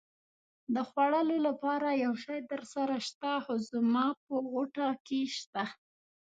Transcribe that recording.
د خوړلو لپاره یو شی درسره شته؟ هو، زما په غوټه کې شته.